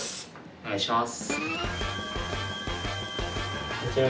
お願いします。